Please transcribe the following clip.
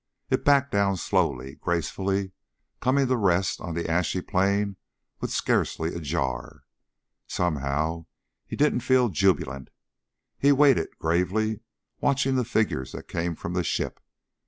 It backed down slowly, gracefully, coming to rest on the ashy plain with scarcely a jar. Somehow he didn't feel jubilant. He waited, gravely, watching the figures that came from the ship.